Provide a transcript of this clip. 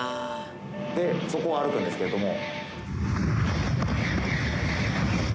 でそこを歩くんですけれども。